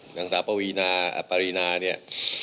หนังสาวปะวีนาปราลีนาเนี่ย